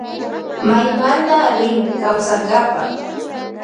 Maymanta rin kausankapa.